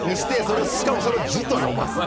しかもそれを「ジ」と読ます。